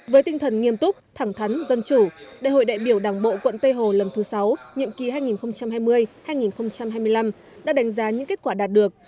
với tinh thần nghiêm túc thẳng thắn dân chủ đại hội đại biểu đảng bộ quận tây hồ lần thứ sáu nhiệm kỳ hai nghìn hai mươi hai nghìn hai mươi năm đã đánh giá những kết quả đạt được